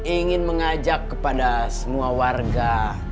ingin mengajak kepada semua warga